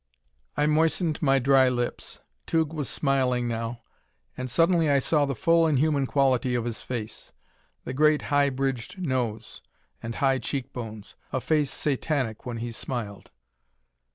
I moistened my dry lips. Tugh was smiling now, and suddenly I saw the full inhuman quality of his face the great high bridged nose, and high cheek bones; a face Satanic when he smiled.